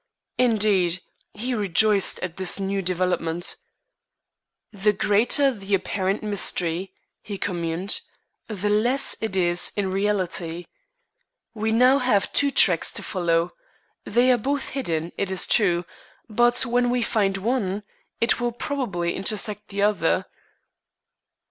Indeed, he rejoiced at this new development. "The greater the apparent mystery," he communed, "the less it is in reality. We now have two tracks to follow. They are both hidden, it is true, but when we find one, it will probably intersect the other."